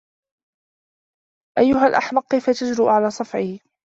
أيّها الأحمق! كيف تجرؤ على صفعي؟